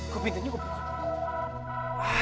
kok pintunya gue pukul